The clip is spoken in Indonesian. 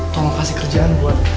tolong kasih kerjaan buat tante sofia